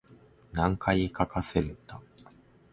何回かかせるんだ